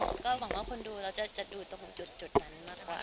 ก็หวังว่าคนดูเราจะดูตรงจุดนั้นมากกว่า